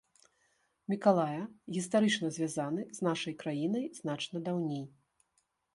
Мікалая гістарычна звязаны з нашай краінай значна даўней.